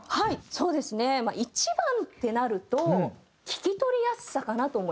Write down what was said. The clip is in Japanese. そうですねまあ一番ってなると聴き取りやすさかなと思います。